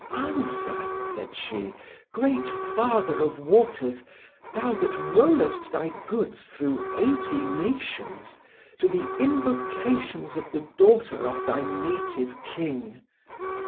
"Answer," said she, "great father of waters, thou that rollest thy goods through eighty nations, to the invocations of the daughter of thy native king.